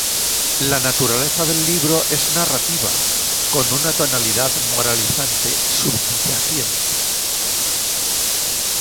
La naturaleza del libro es narrativa, con una tonalidad moralizante subyacente.